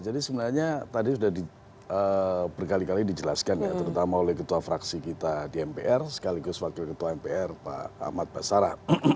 jadi sebenarnya tadi sudah berkali kali dijelaskan ya terutama oleh ketua fraksi kita di mpr sekaligus wakil ketua mpr pak ahmad basara